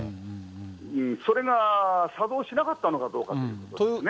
それが作動しなかったのかどうかっていうことですね。